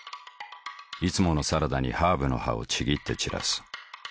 いつものサラダにハーブの葉をちぎって散らす。